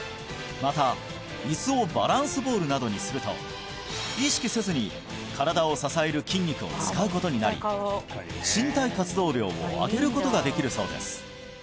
また椅子をバランスボールなどにすると意識せずに身体を支える筋肉を使うことになり身体活動量を上げることができるそうです